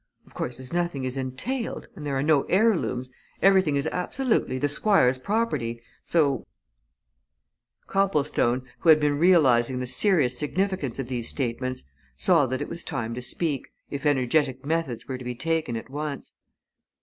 Of course, as nothing is entailed, and there are no heirlooms, everything is absolutely the Squire's property, so " Copplestone, who had been realizing the serious significance of these statements, saw that it was time to speak, if energetic methods were to be taken at once.